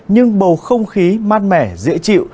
nhưng bầu không khí mát mẻ dễ chịu